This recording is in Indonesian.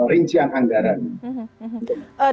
nah inilah yang kemudian ke depan harus ada ya transparan